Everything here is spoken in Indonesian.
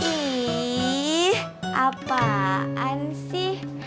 ih apaan sih